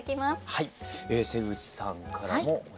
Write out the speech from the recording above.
はい。